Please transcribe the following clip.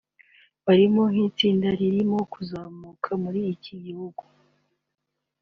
barimo nk'itsinda ririmo kuzamuka muri iki gihe